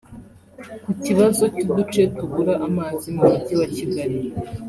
Ku kibazo cy’uduce tubura amazi mu mujyi wa Kigali